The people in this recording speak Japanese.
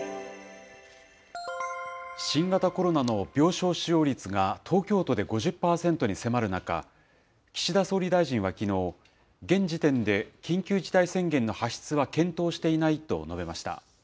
新型コロナの病床使用率が東京都で５０％に迫る中、岸田総理大臣はきのう、現時点で緊急事態宣言の発出は検討していないと述べました。